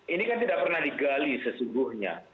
ini kan tidak pernah digali sesungguhnya